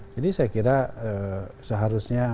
jadi saya kira seharusnya